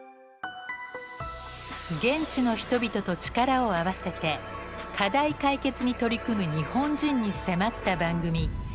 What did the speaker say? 現地の人々と力を合わせて課題解決に取り組む日本人に迫った番組